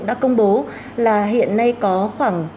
đã công bố là hiện nay có khoảng